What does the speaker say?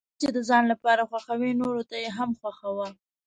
څه چې د ځان لپاره خوښوې نورو ته یې هم خوښوه.